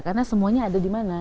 karena semuanya ada di mana